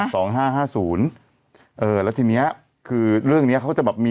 สองห้าห้าศูนย์เออแล้วทีเนี้ยคือเรื่องเนี้ยเขาจะแบบมี